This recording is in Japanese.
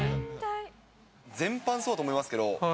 全般そうだと思いますけど、そう。